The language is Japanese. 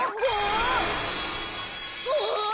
うわ！